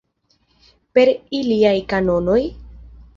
Per iliaj kanonoj?